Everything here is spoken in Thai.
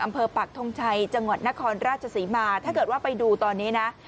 อำเภอปักธงชัยจังหวัดนครราชสีมาถ้าเกิดว่าไปดูตอนนี้